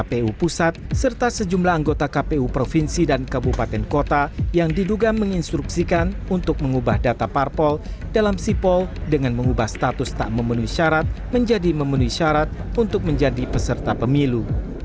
kpu pusat serta sejumlah anggota kpu provinsi dan kabupaten kota yang diduga menginstruksikan untuk mengubah data parpol dalam sipol dengan mengubah status tak memenuhi syarat menjadi memenuhi syarat untuk menjadi peserta pemilu